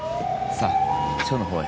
さあ署の方へ。